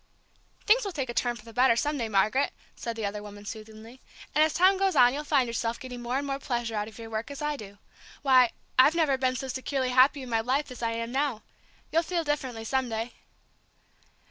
"Things will take a turn for the better some day, Margaret," said the other woman, soothingly; "and as time goes on you'll find yourself getting more and more pleasure out of your work, as I do. Why, I've never been so securely happy in my life as I am now. You'll feel differently some day."